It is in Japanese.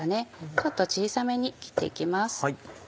ちょっと小さめに切って行きます。